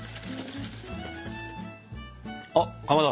あっかまど。